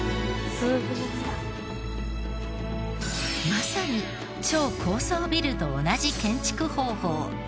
まさに超高層ビルと同じ建築方法。